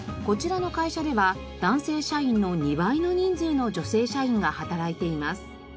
こちらの会社では男性社員の２倍の人数の女性社員が働いています。